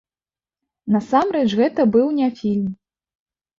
Насамрэч, гэта быў не фільм.